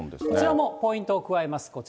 こちらもポイントを加えます。